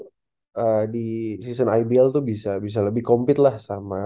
kalau di season ibl tuh bisa lebih compete lah sama